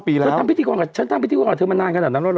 เธอทำพิธีกรกับฉันทำพิธีกรกับเธอมันนานก็แบบนั้นหรือ